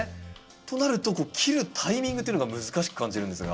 となると切るタイミングというのが難しく感じるんですが。